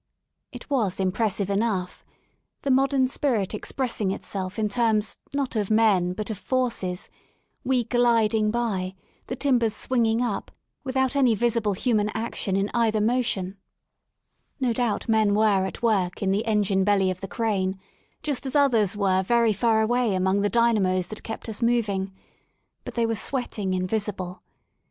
It was impressive enough — the modern spirit expressing itself in terms not of men but of forces, we gliding by, the timbers swinging up, without any visible human action in either motion. 40 ROADS INTO LONDON No doubt men were at work in the engine belly of the crane, just as others were very far away among the dynamos that kept us moving But they were sweating invisible.